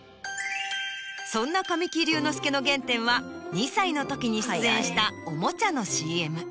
そんな神木隆之介の原点は２歳の時に出演したおもちゃのＣＭ。